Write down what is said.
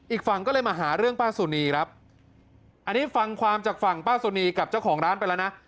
อีกฝั่งก็เลยมาหาเรื่องป้าสุนีครับอันนี้ฟังความจากฝั่งป้าสุนีกับเจ้าของร้านไปแล้วนะ